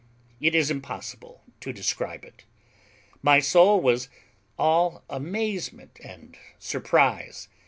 It is impossible to describe it. My soul was all amazement and surprise.